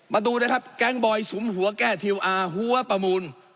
มาดูนะครับแก๊งบอยสุมหัวแก้ทีลอาร์หัวประมูล